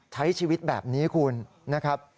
ใช้ชีวิตแบบนี้คุณนะครับ